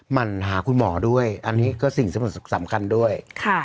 มันหาคุณหมอด้วยอันนี้ก็สิ่งที่มันสำคัญด้วย